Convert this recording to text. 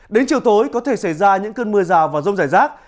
đến chiều tối có thể xảy ra những cơn mưa rào và rông rải rác